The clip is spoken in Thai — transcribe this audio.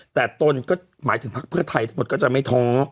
แต่ตนก็หมายถึงพักเพื่อไทยทั้งหมดก็จะไม่ท้อ